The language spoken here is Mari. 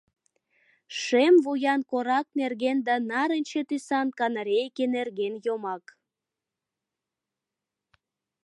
ШЕМ ВУЯН КОРАК НЕРГЕН ДА НАРЫНЧЕ ТӰСАН КАНАРЕЙКЕ НЕРГЕН ЙОМАК